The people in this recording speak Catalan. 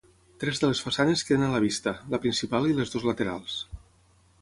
Tres de les façanes queden a la vista, la principal i les dues laterals.